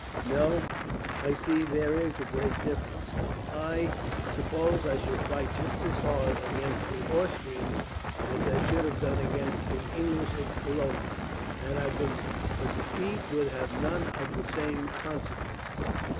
No, I see there is a great difference. I suppose I should fight just as hard, against the Austrians, as I should have done against the English at Culloden, had I been there; but defeat would have none of the same consequences.